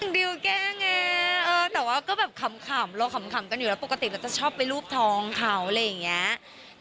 ดิวแก้ไงแต่ว่าก็แบบขำเราขำกันอยู่แล้วปกติเราจะชอบไปรูปท้องเขาอะไรอย่างนี้